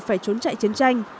phải trốn chạy chiến tranh